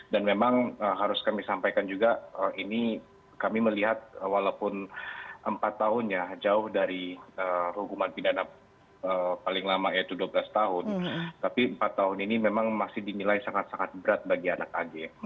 memang harus kami sampaikan juga ini kami melihat walaupun empat tahun ya jauh dari hukuman pidana paling lama yaitu dua belas tahun tapi empat tahun ini memang masih dinilai sangat sangat berat bagi anak ag